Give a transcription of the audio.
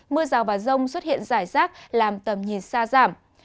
mưa rào và rông xuất hiện rải rác làm tầm nhìn xa giảm